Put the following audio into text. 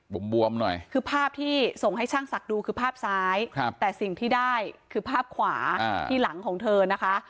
บวมหน่อยคือภาพที่ส่งให้ช่างศักดิ์ดูคือภาพซ้ายแต่สิ่งที่ได้คือภาพขวาที่หลังของเธอนะคะ